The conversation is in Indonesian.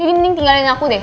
jadi mending tinggalin aku deh